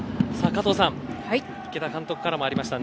加藤さん池田監督からもありました。